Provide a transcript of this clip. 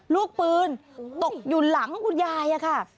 ลูกปืนตกอยู่หลังคุณยายอะค่ะ